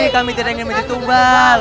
kami tidak ingin ditumbal